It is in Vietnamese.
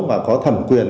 và có thẩm quyền